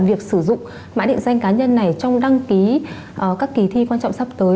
việc sử dụng mã định danh cá nhân này trong đăng ký các kỳ thi quan trọng sắp tới